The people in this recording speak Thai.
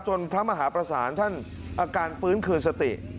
พระมหาประสานท่านอาการฟื้นคืนสติ